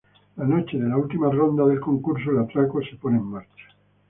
La noche de la última ronda del concurso, el atraco se pone en marcha.